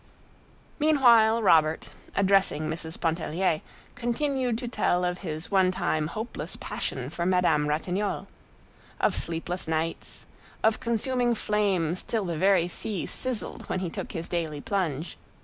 Meanwhile Robert, addressing Mrs Pontellier, continued to tell of his one time hopeless passion for Madame Ratignolle; of sleepless nights, of consuming flames till the very sea sizzled when he took his daily plunge.